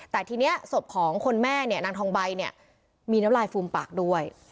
แต่ทีนี้ศพของคนแม่เนี่ยนางทองใบเนี่ยมีน้ำลายฟูมปากด้วย